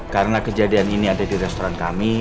karena kejadian ini ada di restoran kami